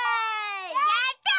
やった！